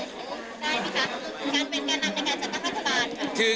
ได้ไหมคะการเป็นแก่นำในการจัดตั้งรัฐบาล